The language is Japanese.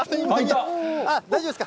大丈夫ですか？